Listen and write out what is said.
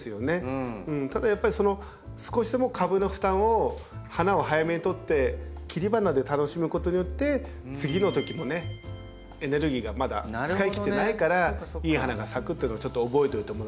ただやっぱり少しでも株の負担を花を早めに取って切り花で楽しむことによって次のときもねエネルギーがまだ使い切ってないからいい花が咲くというのをちょっと覚えておいてもらえると。